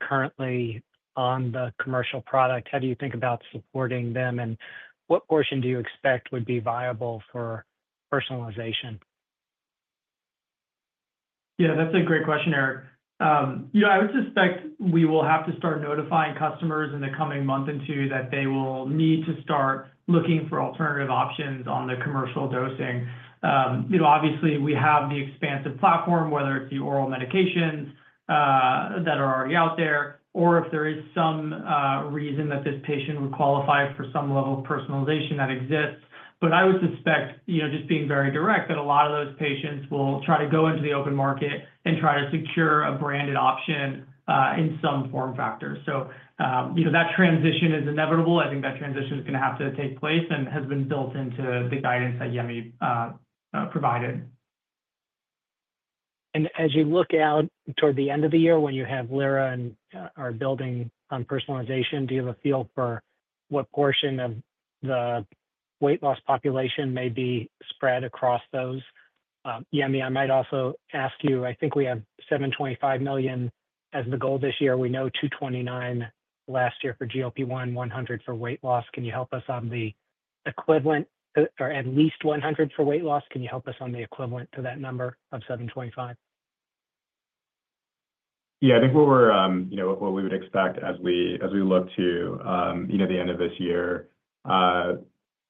S7: currently on the commercial product? How do you think about supporting them? And what portion do you expect would be viable for personalization?
S4: Yeah, that's a great question, Eric. You know, I would suspect we will have to start notifying customers in the coming month or two that they will need to start looking for alternative options on the commercial dosing. You know, obviously we have the expansive platform, whether it's the oral medications that are already out there or if there is some reason that this patient would qualify for some level of personalization that exists. But I would suspect, you know, just being very direct, that a lot of those patients will try to go into the open market and try to secure a branded option in some form factor. So, you know, that transition is inevitable. I think that transition is going to have to take place and has been built into the guidance that Yemi provided.
S7: And as you look out toward the end of the year when you have Lira and are building on personalization, do you have a feel for what portion of the weight loss population may be spread across those? Yemi, I might also ask you. I think we have $725 million as the goal this year. We know $229 million last year for GLP-1, $100 million for weight loss. Can you help us on the equivalent or at least $100 million for weight loss? Can you help us on the equivalent to that number of 725?
S4: Yeah, I think what we're, you know, what we would expect as we look to, you know, the end of this year,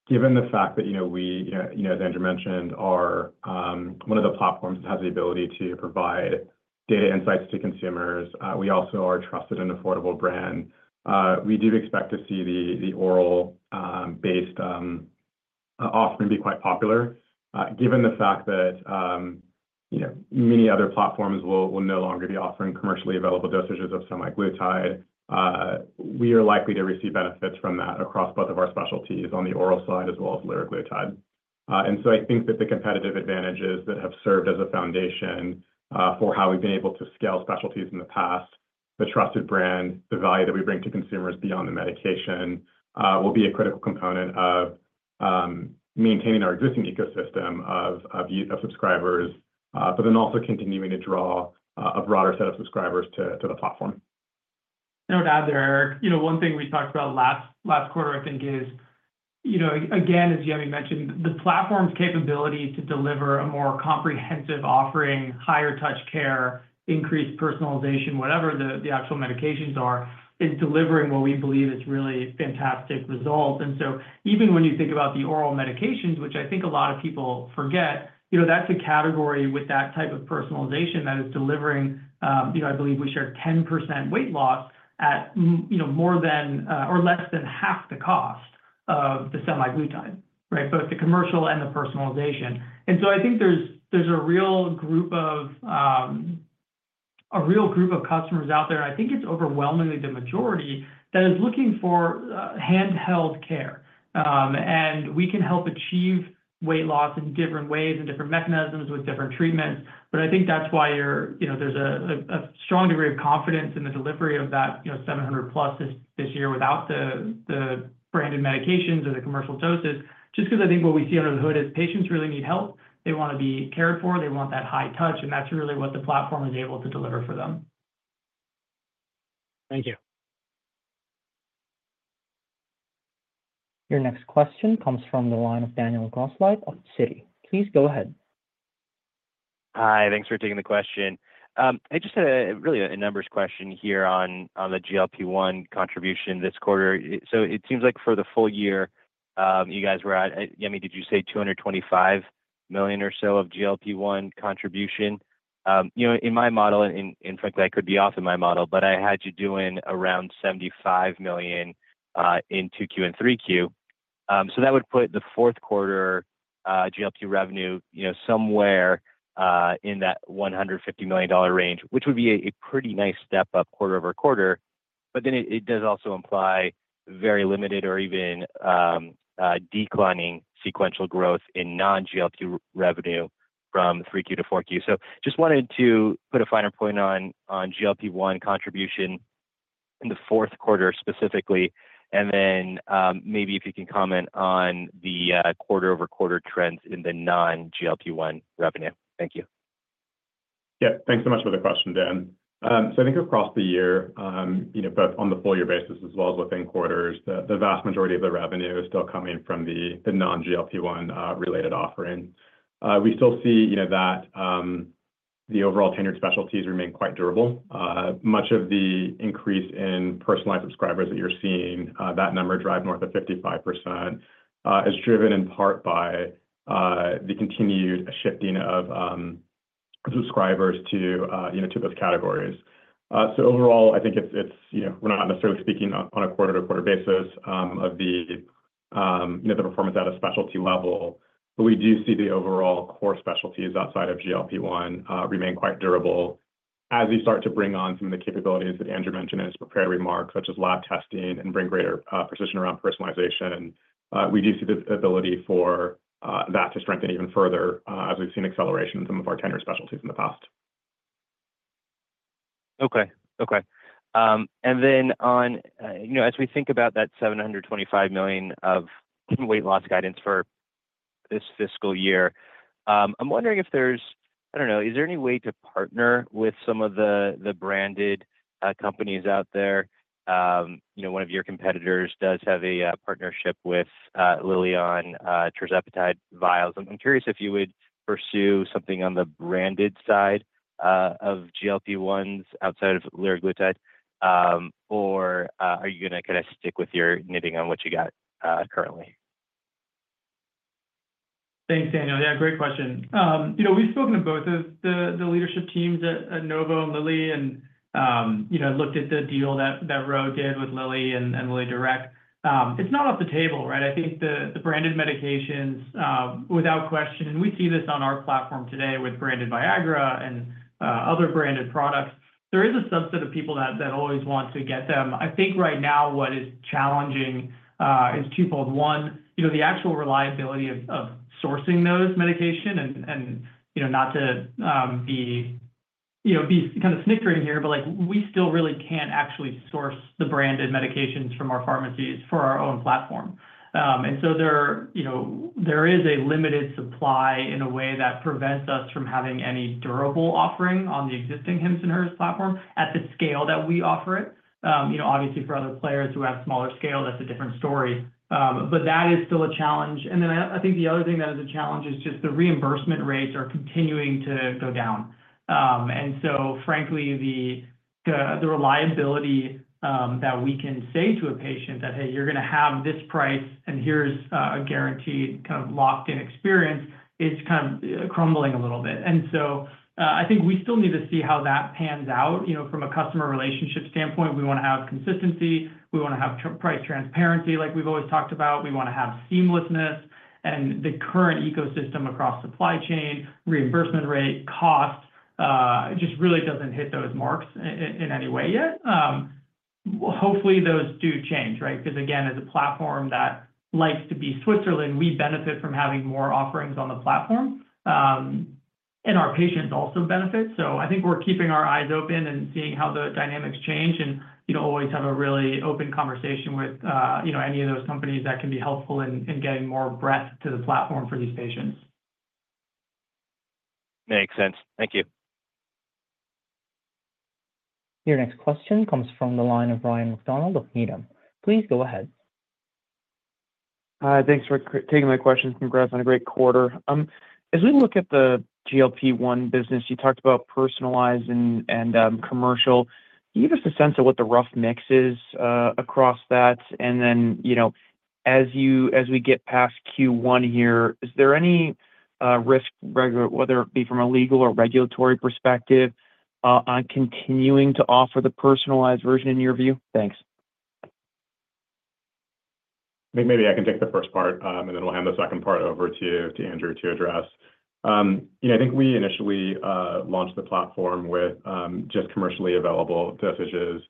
S4: given the fact that, you know, we, you know, as Andrew mentioned, are one of the platforms that has the ability to provide data insights to consumers. We also are a trusted and affordable brand. We do expect to see the oral-based offering be quite popular. Given the fact that, you know, many other platforms will no longer be offering commercially available dosages of semaglutide, we are likely to receive benefits from that across both of our specialties on the oral side as well as liraglutide. And so I think that the competitive advantages that have served as a foundation for how we've been able to scale specialties in the past, the trusted brand, the value that we bring to consumers beyond the medication will be a critical component of maintaining our existing ecosystem of subscribers, but then also continuing to draw a broader set of subscribers to the platform.
S3: No doubt there, Eric. You know, one thing we talked about last quarter, I think, is, you know, again, as Yemi mentioned, the platform's capability to deliver a more comprehensive offering, higher touch care, increased personalization, whatever the actual medications are, is delivering what we believe is really fantastic results. And so even when you think about the oral medications, which I think a lot of people forget, you know, that's a category with that type of personalization that is delivering, you know, I believe we shared 10% weight loss at, you know, more than or less than half the cost of the semaglutide, right? Both the commercial and the personalization. And so I think there's a real group of customers out there, and I think it's overwhelmingly the majority that is looking for handheld care. And we can help achieve weight loss in different ways and different mechanisms with different treatments. But I think that's why you're, you know, there's a strong degree of confidence in the delivery of that, you know, 700+ this year without the branded medications or the commercial doses, just because I think what we see under the hood is patients really need help. They want to be cared for. They want that high touch. And that's really what the platform is able to deliver for them.
S7: Thank you.
S1: Your next question comes from the line of Daniel Grosslight of Citi. Please go ahead.
S8: Hi, thanks for taking the question. I just had a really a numbers question here on the GLP-1 contribution this quarter. So it seems like for the full year, you guys were at, Yemi, did you say $225 million or so of GLP-1 contribution? You know, in my model, and frankly, I could be off in my model, but I had you doing around $75 million in 2Q and 3Q. So that would put the fourth quarter GLP-1 revenue, you know, somewhere in that $150 million range, which would be a pretty nice step up quarter over quarter. But then it does also imply very limited or even declining sequential growth in non-GLP-1 revenue from 3Q-4Q. So just wanted to put a finer point on GLP-1 contribution in the fourth quarter specifically. And then maybe if you can comment on the quarter over quarter trends in the non-GLP-1 revenue. Thank you.
S3: Yeah, thanks so much for the question, Dan. So I think across the year, you know, both on the full year basis as well as within quarters, the vast majority of the revenue is still coming from the non-GLP-1 related offering. We still see, you know, that the overall tenured specialties remain quite durable. Much of the increase in personalized subscribers that you're seeing, that number driving north of 55% is driven in part by the continued shifting of subscribers to, you know, to those categories. So overall, I think it's, you know, we're not necessarily speaking on a quarter to quarter basis of the, you know, the performance at a specialty level. But we do see the overall core specialties outside of GLP-1 remain quite durable as we start to bring on some of the capabilities that Andrew mentioned in his prepared remarks, such as lab testing and bring greater precision around personalization. And we do see the ability for that to strengthen even further as we've seen acceleration in some of our tenured specialties in the past.
S7: Okay, okay. And then on, you know, as we think about that $725 million of weight loss guidance for this fiscal year, I'm wondering if there's, I don't know, is there any way to partner with some of the branded companies out there? You know, one of your competitors does have a partnership with Lilly on tirzepatide vials. I'm curious if you would pursue something on the branded side of GLP-1s outside of liraglutide, or are you going to kind of stick with your knitting on what you got currently?
S3: Thanks, Daniel. Yeah, great question. You know, we've spoken to both of the leadership teams at Novo and Lilly and, you know, looked at the deal that Ro did with Lilly and LillyDirect. It's not off the table, right? I think the branded medications, without question, and we see this on our platform today with branded Viagra and other branded products. There is a subset of people that always want to get them. I think right now what is challenging is twofold. One, you know, the actual reliability of sourcing those medication and, you know, not to be, you know, kind of snickering here, but like we still really can't actually source the branded medications from our pharmacies for our own platform. And so there, you know, there is a limited supply in a way that prevents us from having any durable offering on the existing Hims & Hers platform at the scale that we offer it. You know, obviously for other players who have smaller scale, that's a different story. But that is still a challenge. And then I think the other thing that is a challenge is just the reimbursement rates are continuing to go down. And so frankly, the reliability that we can say to a patient that, hey, you're going to have this price and here's a guaranteed kind of locked-in experience is kind of crumbling a little bit. And so I think we still need to see how that pans out. You know, from a customer relationship standpoint, we want to have consistency. We want to have price transparency like we've always talked about. We want to have seamlessness. And the current ecosystem across supply chain, reimbursement rate, cost just really doesn't hit those marks in any way yet. Hopefully those do change, right? Because again, as a platform that likes to be Switzerland, we benefit from having more offerings on the platform. And our patients also benefit. So I think we're keeping our eyes open and seeing how the dynamics change and, you know, always have a really open conversation with, you know, any of those companies that can be helpful in getting more breadth to the platform for these patients.
S8: Makes sense. Thank you.
S1: Your next question comes from the line of Ryan MacDonald of Needham. Please go ahead.
S9: Hi, thanks for taking my question. Congrats on a great quarter. As we look at the GLP-1 business, you talked about personalized and commercial. Can you give us a sense of what the rough mix is across that? And then, you know, as we get past Q1 here, is there any risk, whether it be from a legal or regulatory perspective, on continuing to offer the personalized version in your view? Thanks.
S3: Maybe I can take the first part and then we'll hand the second part over to Andrew to address. You know, I think we initially launched the platform with just commercially available dosages.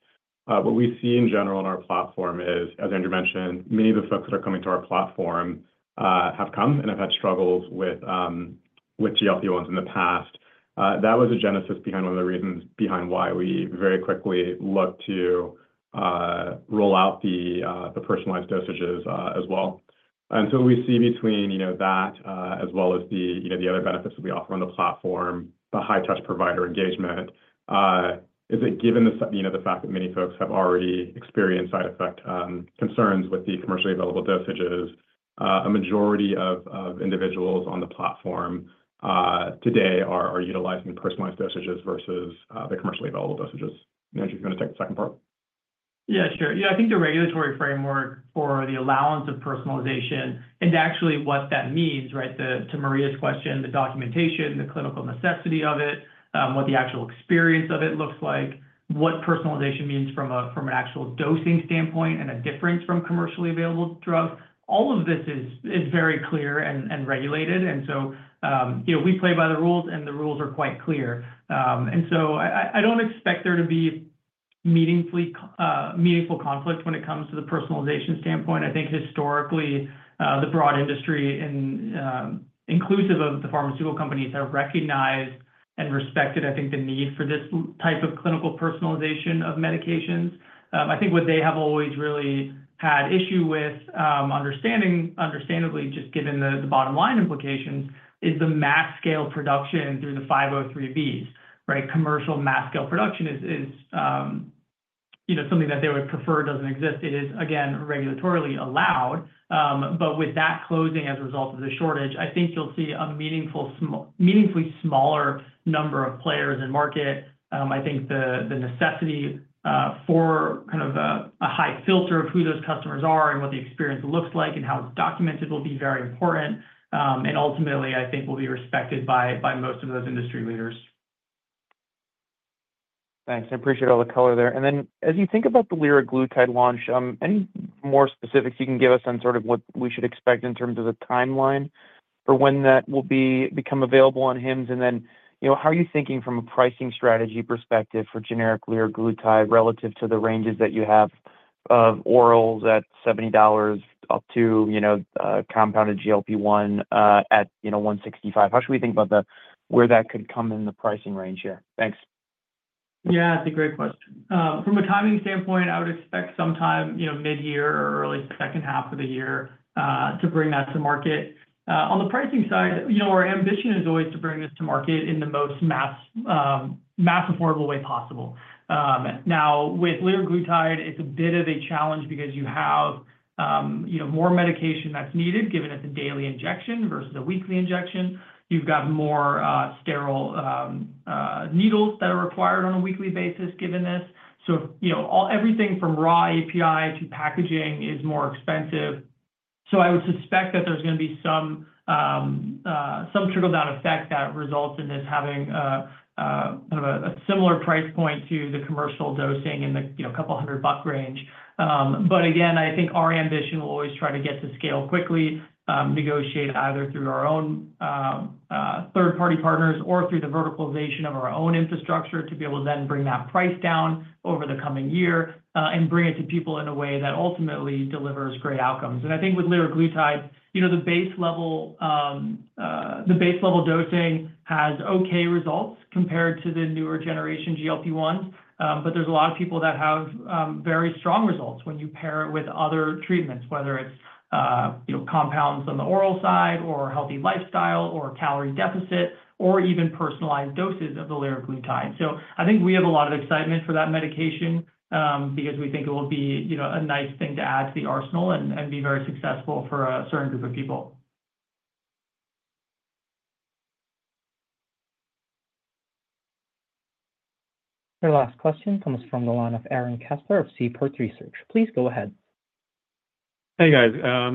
S3: What we see in general on our platform is, as Andrew mentioned, many of the folks that are coming to our platform have come and have had struggles with GLP-1s in the past. That was a genesis behind one of the reasons behind why we very quickly looked to roll out the personalized dosages as well. And so we see between, you know, that as well as the, you know, the other benefits that we offer on the platform, the high-touch provider engagement, is that given the, you know, the fact that many folks have already experienced side effect concerns with the commercially available dosages, a majority of individuals on the platform today are utilizing personalized dosages versus the commercially available dosages. Andrew, you want to take the second part?
S9: Yeah, sure. Yeah, I think the regulatory framework for the allowance of personalization and actually what that means, right? To Maria's question, the documentation, the clinical necessity of it, what the actual experience of it looks like, what personalization means from an actual dosing standpoint and a difference from commercially available drugs, all of this is very clear and regulated. And so, you know, we play by the rules and the rules are quite clear. I don't expect there to be meaningful conflict when it comes to the personalization standpoint. I think historically, the broad industry, inclusive of the pharmaceutical companies, have recognized and respected, I think, the need for this type of clinical personalization of medications. I think what they have always really had issue with, understandably, just given the bottom line implications, is the mass scale production through the 503(b)s, right? Commercial mass scale production is, you know, something that they would prefer doesn't exist. It is, again, regulatorily allowed. But with that closing as a result of the shortage, I think you'll see a meaningfully smaller number of players in market. I think the necessity for kind of a high filter of who those customers are and what the experience looks like and how it's documented will be very important. Ultimately, I think we'll be respected by most of those industry leaders. Thanks. I appreciate all the color there. Then as you think about the liraglutide launch, any more specifics you can give us on sort of what we should expect in terms of the timeline for when that will become available on Hims? Then, you know, how are you thinking from a pricing strategy perspective for generic liraglutide relative to the ranges that you have of orals at $70 up to, you know, compounded GLP-1 at, you know, $165? How should we think about where that could come in the pricing range here? Thanks. Yeah, that's a great question. From a timing standpoint, I would expect sometime, you know, mid-year or early second half of the year to bring that to market. On the pricing side, you know, our ambition is always to bring this to market in the most mass affordable way possible. Now, with liraglutide, it's a bit of a challenge because you have, you know, more medication that's needed given it's a daily injection versus a weekly injection. You've got more sterile needles that are required on a weekly basis given this. So, you know, everything from raw API to packaging is more expensive. So I would suspect that there's going to be some trickle-down effect that results in this having kind of a similar price point to the commercial dosing in the, you know, couple hundred buck range. But again, I think our ambition will always try to get to scale quickly, negotiate either through our own third-party partners or through the verticalization of our own infrastructure to be able to then bring that price down over the coming year and bring it to people in a way that ultimately delivers great outcomes. And I think with liraglutide, you know, the base level, the base level dosing has okay results compared to the newer generation GLP-1s. But there's a lot of people that have very strong results when you pair it with other treatments, whether it's, you know, compounds on the oral side or healthy lifestyle or calorie deficit or even personalized doses of the liraglutide. So I think we have a lot of excitement for that medication because we think it will be, you know, a nice thing to add to the arsenal and be very successful for a certain group of people.
S1: Your last question comes from the line of Aaron Kessler of Seaport Research. Please go ahead.
S10: Hey, guys.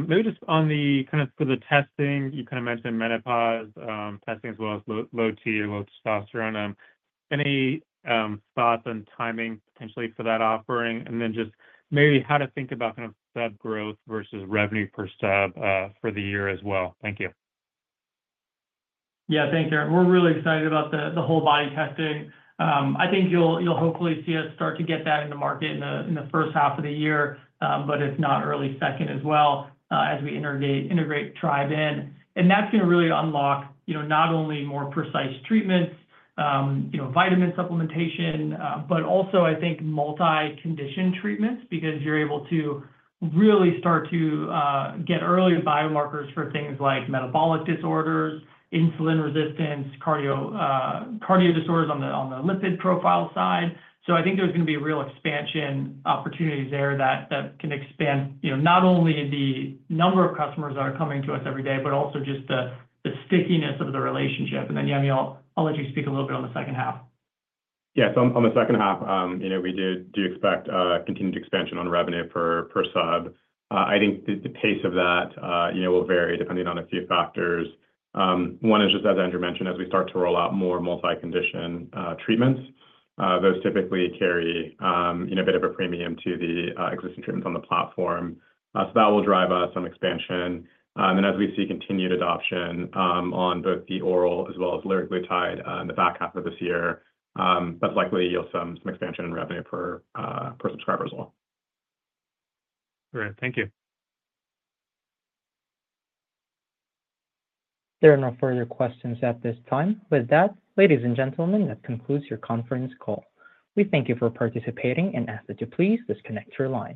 S10: Maybe just on the kind of for the testing, you kind of mentioned menopause testing as well as low T or low testosterone. Any thoughts on timing potentially for that offering? And then just maybe how to think about kind of SEB growth versus revenue per SEB for the year as well. Thank you.
S4: Yeah, thanks, Aaron. We're really excited about the whole body testing. I think you'll hopefully see us start to get that in the market in the first half of the year, but if not early second as well as we integrate Thriva. And that's going to really unlock, you know, not only more precise treatments, you know, vitamin supplementation, but also I think multi-condition treatments because you're able to really start to get early biomarkers for things like metabolic disorders, insulin resistance, cardio disorders on the lipid profile side. So I think there's going to be real expansion opportunities there that can expand, you know, not only the number of customers that are coming to us every day, but also just the stickiness of the relationship. And then, Yemi, I'll let you speak a little bit on the second half.
S3: Yeah, so on the second half, you know, we do expect continued expansion on revenue per sub. I think the pace of that, you know, will vary depending on a few factors. One is just, as Andrew mentioned, as we start to roll out more multi-condition treatments, those typically carry, you know, a bit of a premium to the existing treatments on the platform. So that will drive us some expansion. And then as we see continued adoption on both the oral as well as liraglutide in the back half of this year, that's likely yield some expansion in revenue per subscriber as well.
S10: All right, thank you.
S1: There are no further questions at this time. With that, ladies and gentlemen, that concludes your conference call. We thank you for participating and ask that you please disconnect your line.